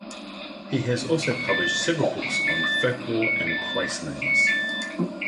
He has also published several books on folklore and place names.